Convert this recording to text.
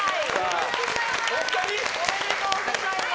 おめでとうございます！